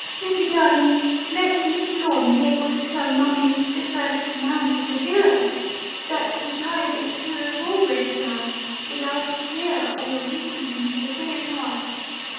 "Ceddie, darling, let Miss Lorne be able to tell mummie that her little man was a hero; that he died, as heroes always die, without a fear or a weakening to the very last.